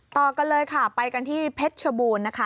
ต่อกันเลยค่ะไปกันที่เพชรชบูรณ์นะคะ